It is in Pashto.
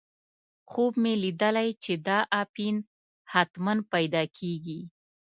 خوب مې لیدلی چې دا اپین حتماً پیدا کېږي.